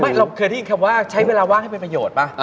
เราเคยได้ยินคำว่าใช้เวลาว่างให้เป็นประโยชน์ป่ะ